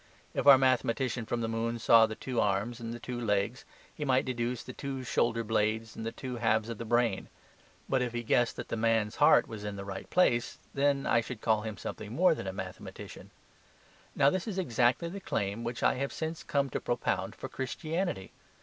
If our mathematician from the moon saw the two arms and the two ears, he might deduce the two shoulder blades and the two halves of the brain. But if he guessed that the man's heart was in the right place, then I should call him something more than a mathematician. Now, this is exactly the claim which I have since come to propound for Christianity.